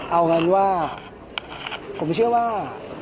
เอากันว่าผมเชื่อว่า